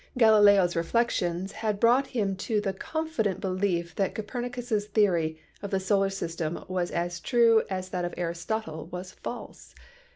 Galileo's reflections had brought him to the confident belief that Copernicus' theory of the solar system was as true as that of Aristotle was false.